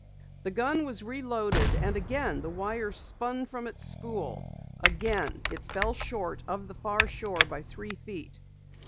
The gun was reloaded, and again the wire spun from its spool. Again it fell short of the far shore by three feet.